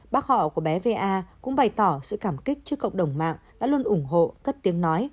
bác họ của bé va cũng bày tỏ sự cảm kích trước cộng đồng mạng đã luôn ủng hộ cất tiếng nói